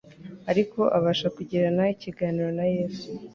ariko abasha kugirana ikiganiro na Yesu,